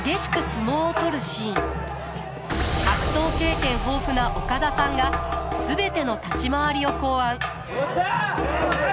格闘経験豊富な岡田さんが全ての立ち回りを考案。